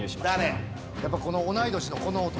やっぱこの同い年のこの男。